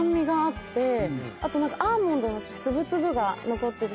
あと何かアーモンドの粒々が残ってて。